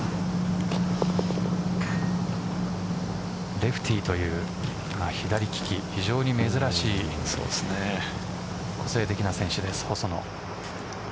レフティーという左利き、非常に珍しい個性的な選手です、細野。